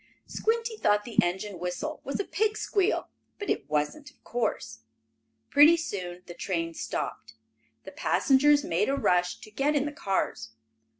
Squinty thought the engine whistle was a pig's squeal, but it wasn't, of course. Pretty soon the train stopped. The passengers made a rush to get in the cars.